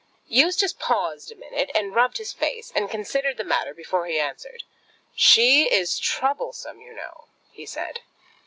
Eustace paused a minute, and rubbed his face and considered the matter before he answered. "She is troublesome, you know," he said.